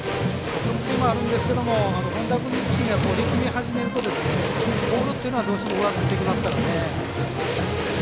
得点はあるんですけど本田君自身が力み始めるとボールっていうのはどうしても上ずってきますからね。